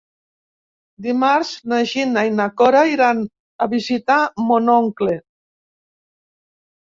Dimarts na Gina i na Cora iran a visitar mon oncle.